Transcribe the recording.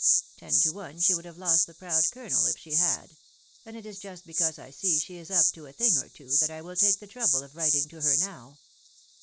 Ten to one she would have lost the proud colonel if she had ; and it is just because I see she is up to a thing or two, that I win take the trouble of writing to her now.